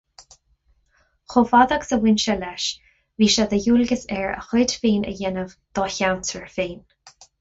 Chomh fada agus a bhain sé leis, bhí sé de dhualgas air a chuid féin a dhéanamh dá cheantar féin.